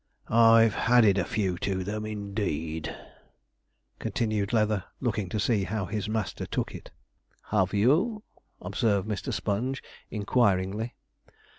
'I've hadded a few to them, indeed,' continued Leather, looking to see how his master took it. 'Have you?' observed Mr. Sponge inquiringly.